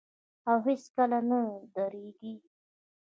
او هیڅکله نه دریږي.